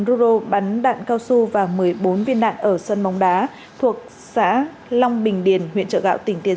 ruro bắn đạn cao su và một mươi bốn viên đạn ở sân bóng đá thuộc xã long bình điền huyện trợ gạo tỉnh tiền